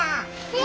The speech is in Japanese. え！